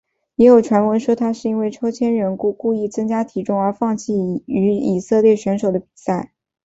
也有传闻说他是因为抽签原因故意增加体重而放弃与以色列选手的比赛。